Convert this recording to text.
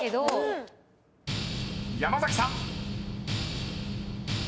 ［山崎さん］